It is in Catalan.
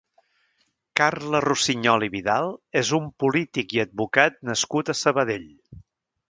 Carles Rossinyol i Vidal és un polític i advocat nascut a Sabadell.